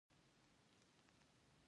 اوبو بوټي د ژوند لپاره اکسيجن توليدوي